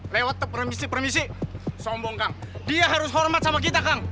lewat permisi permisi sombong dia harus hormat sama kita